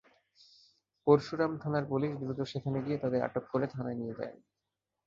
পরশুরাম থানার পুলিশ দ্রুত সেখানে গিয়ে তাঁদের আটক করে থানায় নিয়ে যায়।